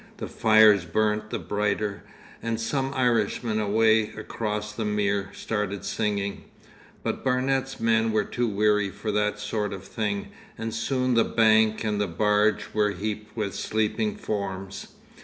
The fires burnt the brighter, and some Irishmen away across the mere started singing. But Barnet's men were too weary for that sort of thing, and soon the bank and the barge were heaped with sleeping forms.